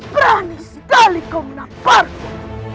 berani sekali kau menabarku